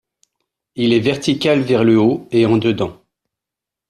Il est vertical vers le haut et en dedans.